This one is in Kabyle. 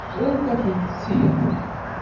Rran-ak-tt-id.